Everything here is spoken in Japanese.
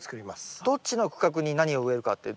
どっちの区画に何を植えるかってどうしますか？